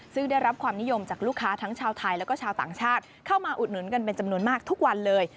ซึ่งได้รับความนิยมจากลูกค้าทั้งชาวไทยแล้วก็ชาวต่างชาติเข้ามาอุดหนุนกันเป็นจำนวนมากทุกวันเลย